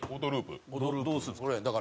どうするんですか？